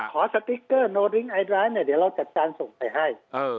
ขอสติ๊กเกอร์โรดลิงค์ไอดรายด์เดี๋ยวเราจัดการส่งไปให้